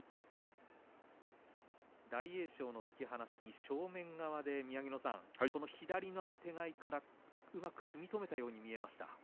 大栄翔の突き放しに正面側で宮城野さん、左のあてがいからうまく組み止めたように見えました。